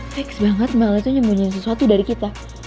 fix banget mel itu nyembunyiin sesuatu dari kita